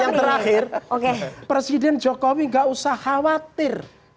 yang terakhir presiden jokowi gak usah khawatir